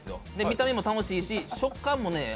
見た目も楽しいし、食感もね